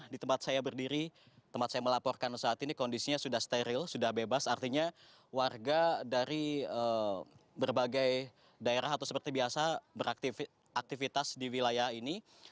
di tempat saya berdiri tempat saya melaporkan saat ini kondisinya sudah steril sudah bebas artinya warga dari berbagai daerah atau seperti biasa beraktivitas di wilayah ini